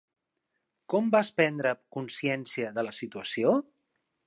Com vas prendre consciència de la situació?